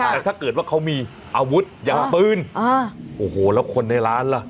แต่ถ้าเกิดว่าเขามีอาวุธอย่างปืนโอ้โหแล้วคนในร้านล่ะ